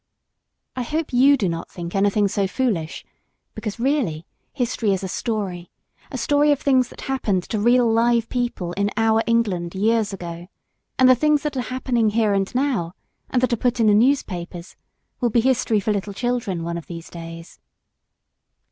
I hope you do not think anything so foolish, because, really, history is a story, a story of things that happened to real live people in our England years ago; and the things that are happening here and now, and that are put in the newspapers, will be history for little children one of these days.